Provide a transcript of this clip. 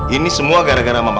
ini semua gara gara mama kamu